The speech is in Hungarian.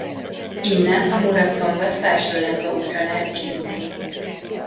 Innen a Muraszombat-Felsőlendva útra lehet kijutni.